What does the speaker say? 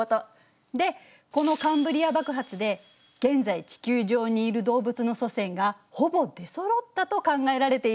でこのカンブリア爆発で現在地球上にいる動物の祖先がほぼ出そろったと考えられているの。